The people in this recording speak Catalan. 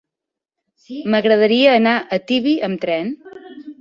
M'agradaria anar a Tibi amb tren.